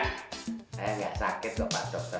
eh enggak sakit dok pak dokter